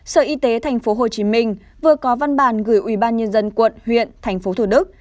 sở y tế tp hcm vừa có văn bản gửi ubnd quận huyện tp thủ đức